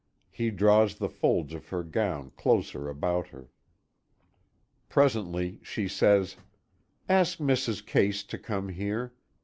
He draws the folds of her gown closer about her. Presently she says: "Ask Mrs. Case to come here.